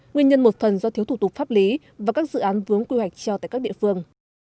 nguyên nhân một phần do thiếu thủ tục pháp lý và các dự án vướng quy hoạch treo tại các địa phương